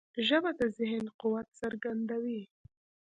ژبه د ذهن قوت څرګندوي